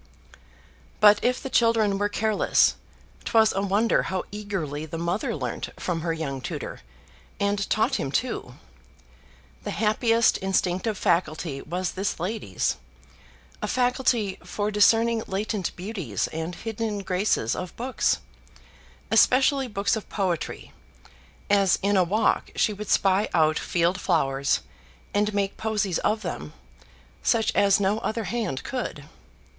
But if the children were careless, 'twas a wonder how eagerly the mother learnt from her young tutor and taught him too. The happiest instinctive faculty was this lady's a faculty for discerning latent beauties and hidden graces of books, especially books of poetry, as in a walk she would spy out field flowers and make posies of them, such as no other hand could.